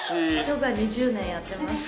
ヨガ２０年やってます。